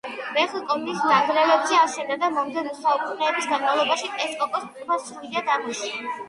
მეხიკო მის ნანგრევებზე აშენდა, და მომდევნო საუკუნეების განმავლობაში ტესკოკოს ტბა სრულიად ამოშრა.